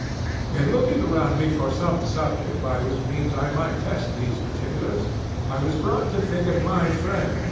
In looking around me for some subject by whose means I might test these particulars, I was brought to think of my friend, M.